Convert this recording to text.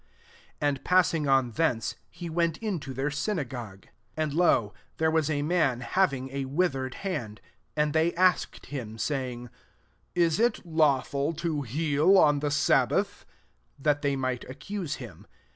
*' 9 And passing on thence, he went into their synagogue. 10 MATTHEW XII. 41 And lo, [[th'ere was] a man hav ing a wiUiered hand. And they asked him, saying, '* Is it law ful to heal on the sabbath?" that they might accuse him.